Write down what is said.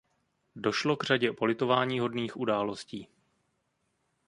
Došlo k řadě politováníhodných událostí.